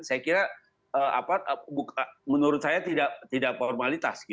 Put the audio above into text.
saya kira menurut saya tidak formalitas